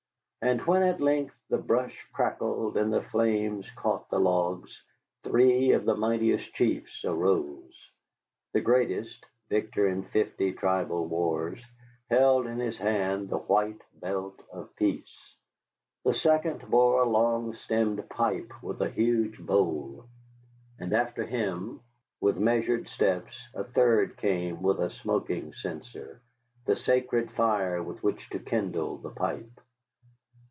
And when at length the brush crackled and the flames caught the logs, three of the mightiest chiefs arose. The greatest, victor in fifty tribal wars, held in his hand the white belt of peace. The second bore a long stemmed pipe with a huge bowl. And after him, with measured steps, a third came with a smoking censer, the sacred fire with which to kindle the pipe.